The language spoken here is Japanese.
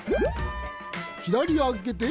ひだりあげて。